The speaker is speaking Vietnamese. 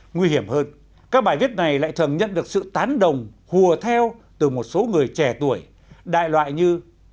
nguy hiểm hơn các bài viết này lại thường nhận được sự tán đồng hùa theo từ một số người trẻ tuổi đại loại như